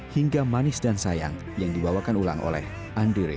hingga manis dan sayang yang dibawakan ulang oleh andre